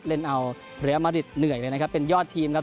เล่นเอาเรียมริตเหนื่อยเลยนะครับเป็นยอดทีมครับ